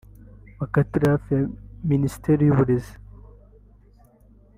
bakatira hafi ya Minisiteri y’Uburezi